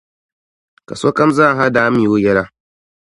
Ka sokam zaaha daa mi o yɛla.